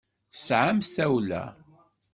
Tesɛamt tawla.